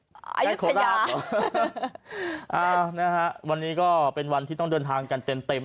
ในโคราชเหรออ่านะฮะวันนี้ก็เป็นวันที่ต้องเดินทางกันเต็มเต็ม